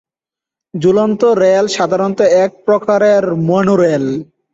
ঝুলন্ত রেল সাধারণত এক প্রকারের মনোরেল।